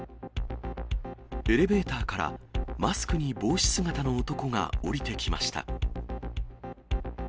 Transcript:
エレベーターからマスクに帽子姿の男が降りてきました。